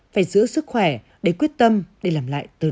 phải giữ sức khỏe để quyết tâm để làm lại từ đầu